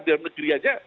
dalam negeri aja